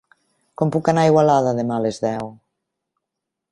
Com puc anar a Igualada demà a les deu?